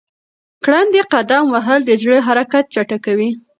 ګړندی قدم وهل د زړه حرکت چټکوي.